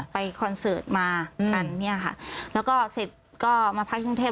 คอนเสิร์ตมากันเนี่ยค่ะแล้วก็เสร็จก็มาพักกรุงเทพ